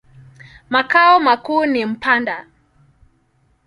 Makao makuu ni Mpanda.